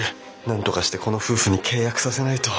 なんとかしてこの夫婦に契約させないと。